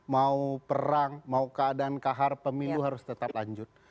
mau perang mau keadaan kahar pemilu harus tetap lanjut